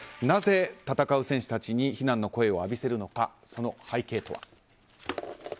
なぜ戦う選手たちに非難の声を浴びせるのかその背景とは。